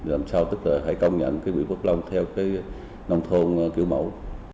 làm sao tức là hãy công nhận quyền phước long theo nông thôn kiểu mẫu